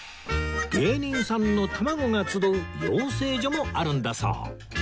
芸人さんの卵が集う養成所もあるんだそう